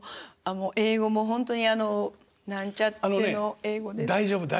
英語もあのなんちゃっての英語です。